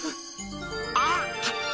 あっ！